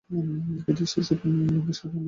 কিন্তু সেসব নম্বর সাধারণ মানুষের কাছে দুর্বোধ্য হতো।